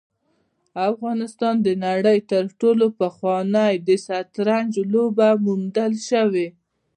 افغانستان د نړۍ تر ټولو پخوانی د شطرنج لوبه موندل شوې